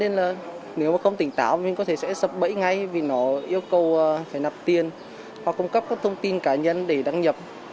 nếu mà không tỉnh táo thì có thể sẽ sập bẫy ngay vì nó yêu cầu phải nập tiền hoặc cung cấp các thông tin cá nhân để đăng nhập